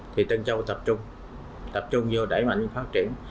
thì tân châu tập trung tập trung vô đẩy mạnh phát triển